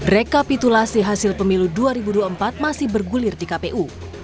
rekapitulasi hasil pemilu dua ribu dua puluh empat masih bergulir di kpu